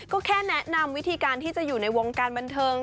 ก็แค่แนะนำวิธีการที่จะอยู่ในวงการบันเทิง